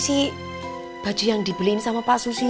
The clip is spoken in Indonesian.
cuma juga ehnya kesan kerja ini air stylish